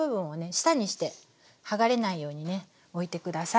下にして剥がれないようにね置いて下さい。